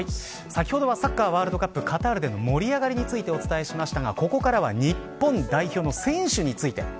先ほど、サッカーワールドカップカタールでの盛り上がりについてお伝えしましたがここからは日本代表の選手について。